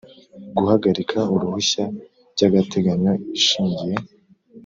guhagarika uruhushya by agateganyo ishingiye